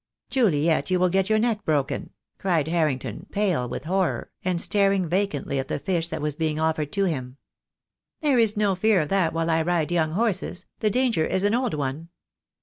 "Juliet, you will get your neck broken," cried Harring ton, pale with horror, and staring vacantly at the fish that was being offered to him. "There is no fear of that while I ride young horses, the danger is an old one.